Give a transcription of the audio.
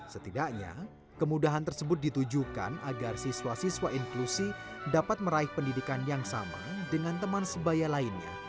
setidaknya kemudahan tersebut ditujukan agar siswa siswa inklusi dapat meraih pendidikan yang sama dengan teman sebaya lainnya